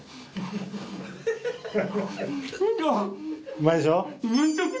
うまいでしょ。